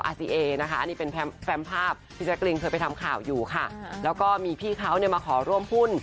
อันขึ้นมีพี่เธอทำข่าวอยู่ค่ะแล้วก็มีพี่เขาเนี่ยมาขอร่วมพุน